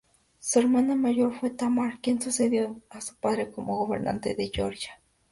Su hermana mayor fue Tamar, quien sucedió a su padre como gobernante de Georgia.